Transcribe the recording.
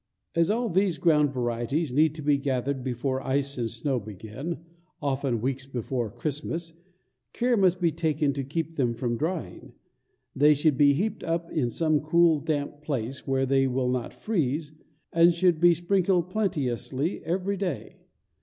] As all these ground varieties need to be gathered before ice and snow begin, often weeks before Christmas, care must be taken to keep them from drying. They should be heaped up in some cool, damp place, where they will not freeze, and should be sprinkled plenteously every day.